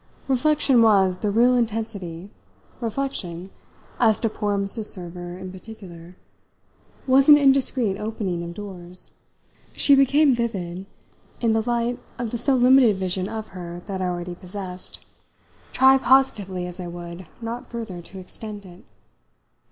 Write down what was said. Reflection was the real intensity; reflection, as to poor Mrs. Server in particular, was an indiscreet opening of doors. She became vivid in the light of the so limited vision of her that I already possessed try positively as I would not further to extend it.